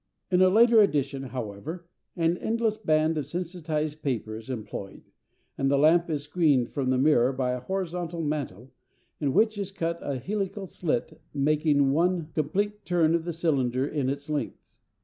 In a later edition, however, an endless band of sensitised paper is employed, and the lamp is screened from the mirror by a horizontal mantle in which is cut a helical slit making one complete turn of the cylinder in its length.